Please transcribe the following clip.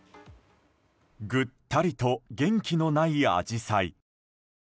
ぐったりと元気のないアジサイ。